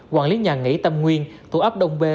quản lý nhà nghỉ tâm nguyên thuộc ấp đông b